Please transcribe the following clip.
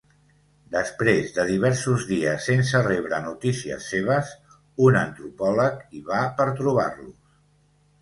Després de diversos dies sense rebre notícies seves, un antropòleg hi va per trobar-los.